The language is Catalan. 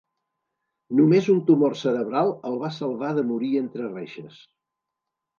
Només un tumor cerebral el va salvar de morir entre reixes.